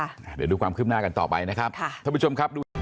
เดี๋ยวดูความคืบหน้ากันต่อไปนะครับค่ะท่านผู้ชมครับดู